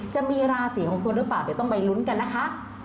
จะมีราศีของคุณหรือเปล่าเดี๋ยวต้องไปลุ้นกันนะคะ